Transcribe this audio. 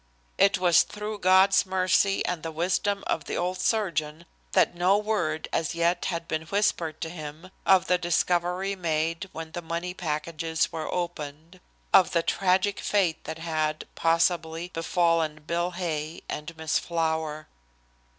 It was through God's mercy and the wisdom of the old surgeon that no word, as yet, had been whispered to him of the discovery made when the money packages were opened of the tragic fate that had, possibly, befallen Bill Hay and Miss Flower.